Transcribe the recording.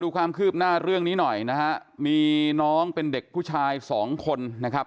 ความคืบหน้าเรื่องนี้หน่อยนะฮะมีน้องเป็นเด็กผู้ชายสองคนนะครับ